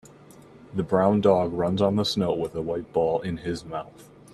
The brown dog runs on the snow with a white ball in his mouth.